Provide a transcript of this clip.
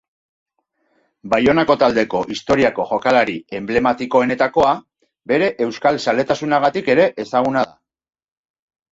Baionako taldeko historiako jokalari enblematikoenetakoa, bere euskaltzaletasunagatik ere ezaguna da.